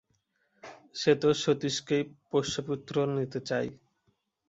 সে তো সতীশকেই পোষ্যপুত্র নিতে চায়।